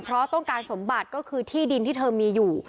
เพราะต้องการสมบัติก็คือที่ดินที่เธอมีอยู่